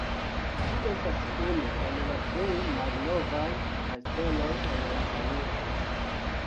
Ĝi estas unu el la plej malnovaj kasteloj en Japanio.